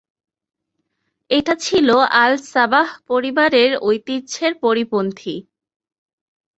এটি ছিল আল-সাবাহ পরিবারের ঐতিহ্যের পরিপন্থী।